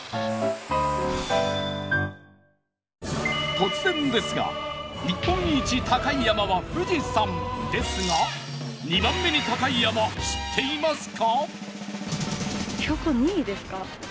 突然ですが日本一高い山は富士山ですが２番目に高い山知っていますか？